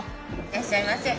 いらっしゃいませ！